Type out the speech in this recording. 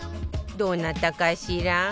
どうなったかしら？